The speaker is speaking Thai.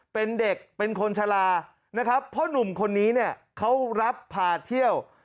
เป็นเด็กเป็นคนชะลานะครับเพราะหนุ่มคนนี้เนี่ยเขารับพาเที่ยว